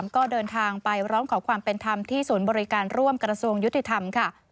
ก็เดินทางไปร้องขอความเป็นธรรมที่ศูนย์บริการร่วมกระทรวงยุติธรรมค่ะ